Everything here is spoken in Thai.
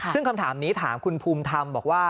ซึ่งคำถามนี้ถามคุณภูมิธรรมบอกว่า